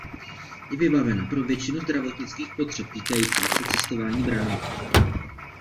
Je vybavena pro většinu zdravotnických potřeb týkajících se cestování bránou.